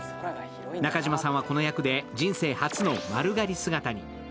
中島さんはこの役で人生初の丸刈り姿に。